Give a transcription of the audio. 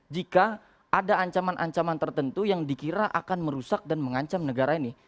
jika ada ancaman ancaman tertentu yang dikira akan merusak dan mengancam negara ini